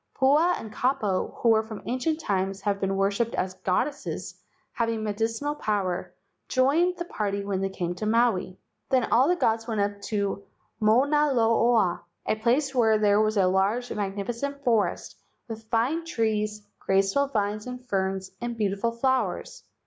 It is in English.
Pua and Kapo, who from ancient times have been worshipped as goddesses having medicinal power, joined the party when they came to Maui. Then all the gods went up Mauna Loa, a place where there was a large and magnificent forest with fine trees, graceful vines and ferns, and beautiful flowers.